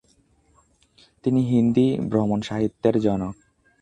তিনি হিন্দি ভ্রমণসাহিত্যের জনক।